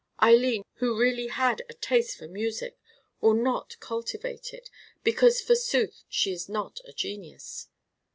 Eileen, who really had a taste for music, will not cultivate it, because, forsooth, she is not a genius.